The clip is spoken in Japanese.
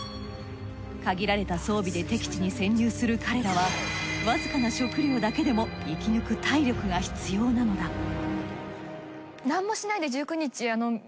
かぎられた装備で敵地に潜入する彼らはわずかな食料だけでも生き抜く体力が必要なのだ。